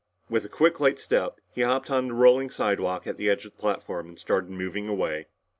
With a quick light step, he hopped on the rolling slidewalk at the edge of the platform and started moving away.